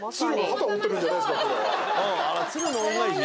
あら「鶴の恩返し」？